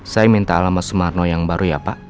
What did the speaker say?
saya minta alamat sumarno yang baru ya pak